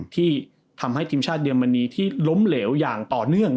ที่ทำให้ทีมชาติเยอรมนีที่ล้มเหลวอย่างต่อเนื่อง